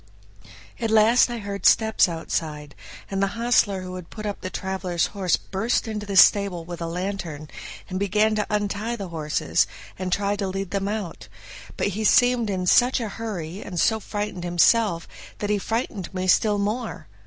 At last I heard steps outside, and the hostler who had put up the traveler's horse burst into the stable with a lantern, and began to untie the horses, and try to lead them out; but he seemed in such a hurry and so frightened himself that he frightened me still more.